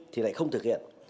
thì lại không thực hiện